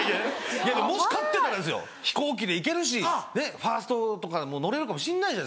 いやでももし勝ってたら飛行機で行けるしファーストとかも乗れるかもしんないじゃないですか。